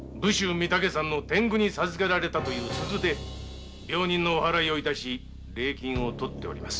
天狗に授けられたという鈴で病人のお祓をし礼金を取っております。